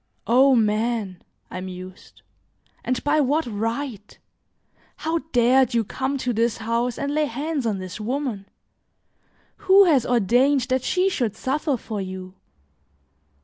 "O man!" I mused, "and by what right? How dared you come to this house and lay hands on this woman? Who has ordained that she should suffer for you?